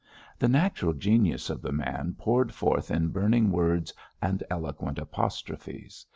The natural genius of the man poured forth in burning words and eloquent apostrophes.